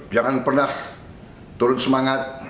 jangan pernah turun semangat